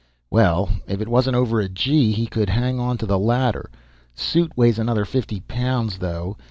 Well, if it wasn't over a "g," he could hang on to the ladder. Suit weighs another fifty pounds, though.